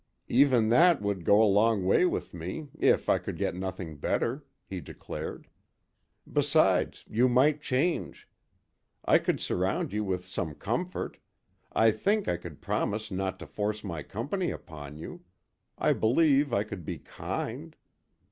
"Even that would go a long way with me, if I could get nothing better," he declared. "Besides, you might change. I could surround you with some comfort; I think I could promise not to force my company upon you; I believe I could be kind."